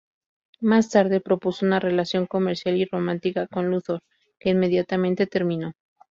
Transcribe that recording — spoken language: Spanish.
Más tarde propuso una relación comercial y romántica con Luthor, que inmediatamente terminó.